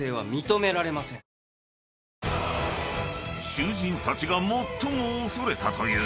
［囚人たちが最も恐れたという］